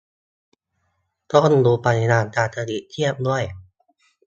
ต้องดูปริมาณการผลิตเทียบด้วย